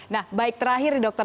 nah baik terakhir dokter